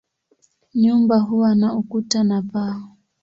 Nyumba huwa na ukuta na paa.